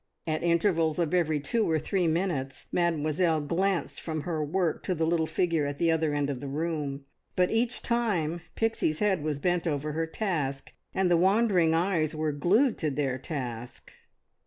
At intervals of every two or three minutes Mademoiselle glanced from her work to the little figure at the other end of the room, but each time Pixie's head was bent over her task, and the wandering eyes were glued to their task.